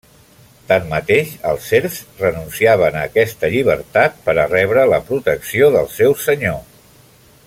Tanmateix, els serfs renunciaven a aquesta llibertat per a rebre la protecció del seu senyor.